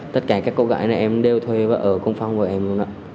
tất cả các cô gái này em đều thuê và ở cùng phòng với em luôn ạ